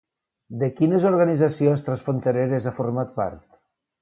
De quines organitzacions transfrontereres ha format part?